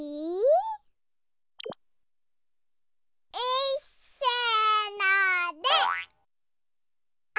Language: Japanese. いっせので！